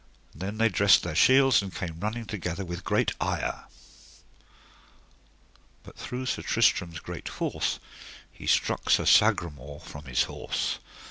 And then they dressed their shields, and came running together with great ire. But through Sir Tristram's great force he struck Sir Sagramore from his horse.